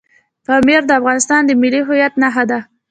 پامیر د افغانستان د ملي هویت نښه ده.